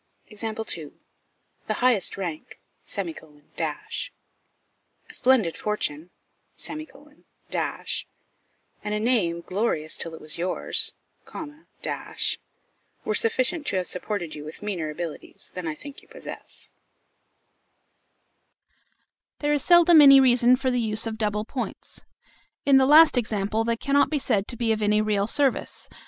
The highest rank; a splendid fortune; and a name, glorious till it was yours, were sufficient to have supported you with meaner abilities than I think you possess. There is seldom any reason for the use of double points. In the last example they cannot be said to be of any real service.